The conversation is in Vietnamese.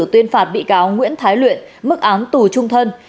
tuyên phạt bị cáo nguyễn thái luyện mức án tù trung thân